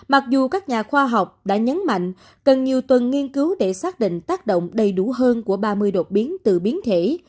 mặc dù các nhà khoa học đã nhấn mạnh cần nhiều tuần nghiên cứu để xác định tác động đầy đủ hơn của ba mươi đột biến từ biến thể